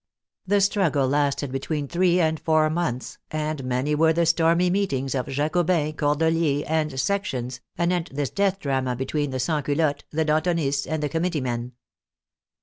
The struggle lasted between three and four months, and many were the stormy meetings of Jacobins, Cordeliers, and " sections," anent this death drama be tween the Sansculottes, the Dantonists, and the commit tee men.